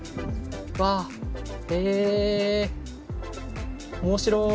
わあへえ面白い。